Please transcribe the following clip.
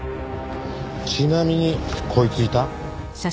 ちなみにこいついた？